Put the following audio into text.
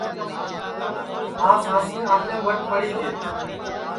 ہانٚس ہانٚسی آنٚتینٚم وٹ پڑی گے